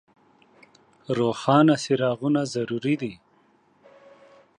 روښانه څراغونه ضروري دي.